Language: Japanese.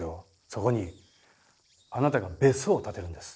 そこにあなたが別荘を建てるんです。